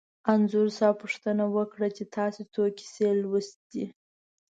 انځور صاحب پوښتنه وکړه چې تاسې څو کیسې لوستي.